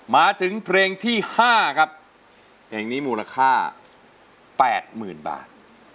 มาถึงเพลงที่๕ครับเพลงนี้มูลค่า๘๐๐๐บาท